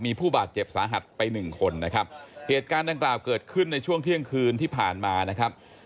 มีผู้บาดเจ็บสาหัสไปหนึ่งคนนะครับเหตุการณ์ดังกล่าวเกิดขึ้นในช่วงเที่ยงคืนที่ผ่านมานะครับ